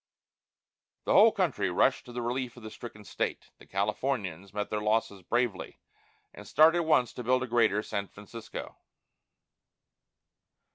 The whole country rushed to the relief of the stricken state; the Californians met their losses bravely, and started at once to build a greater San Francisco.